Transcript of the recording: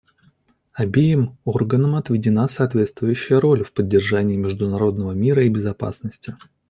Обеим органам отведена соответствующая роль в поддержании международного мира и безопасности.